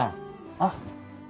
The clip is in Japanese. あっ。